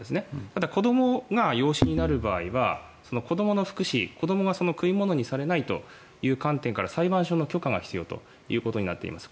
ただ、子どもが養子になる場合は子どもの福祉子どもが食い物にされないという観点から裁判所の許可が必要となっています。